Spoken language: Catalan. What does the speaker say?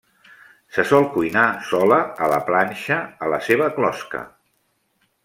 Se sol cuinar sola a la planxa a la seva closca.